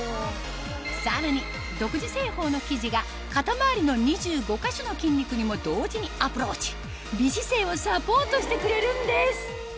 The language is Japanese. さらに独自製法の生地が肩周りの２５カ所の筋肉にも同時にアプローチ美姿勢をサポートしてくれるんです